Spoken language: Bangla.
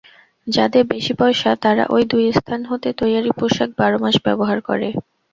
যাদের বেশী পয়সা, তারা ঐ দুই স্থান হতে তৈয়ারী পোষাক বারমাস ব্যবহার করে।